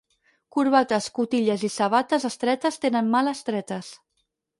Corbates, cotilles i sabates estretes tenen males tretes.